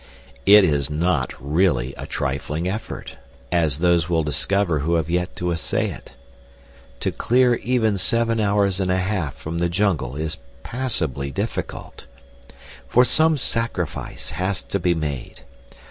It is not really a trifling effort, as those will discover who have yet to essay it. To "clear" even seven hours and a half from the jungle is passably difficult. For some sacrifice has to be made.